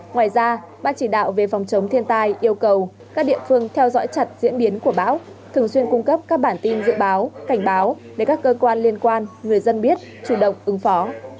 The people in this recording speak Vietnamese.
ngoài ra ban chỉ đạo về phòng chống thiên tai yêu cầu các địa phương theo dõi chặt diễn biến của bão thường xuyên cung cấp các bản tin dự báo cảnh báo để các cơ quan liên quan người dân biết chủ động ứng phó